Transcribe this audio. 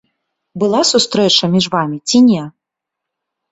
Была сустрэча між вамі ці не?